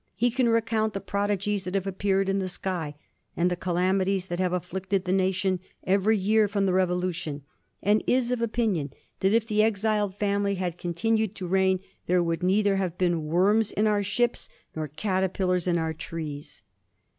He can recount the prodigies that have appeared in the sky, and the calamities that have afflicted the nation every year from the Revolution, and is of opinion that if the exiled family had continued to reign there would neither have been worms in our ships nor caterpillars in our trees.